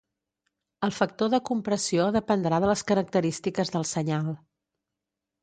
El factor de compressió dependrà de les característiques del senyal.